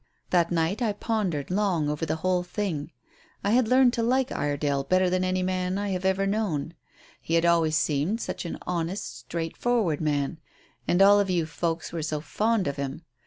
That night I pondered long over the whole thing. I had learned to like Iredale better than any man I have ever known. He had always seemed such an honest, straightforward man. And all of you folks were so fond of him.